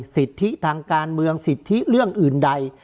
สิทธิทางการเมืองสิทธิเรื่องอื่นใด